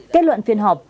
kết luận phiên họp